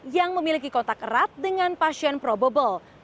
yang memiliki kontak erat dengan pasien probable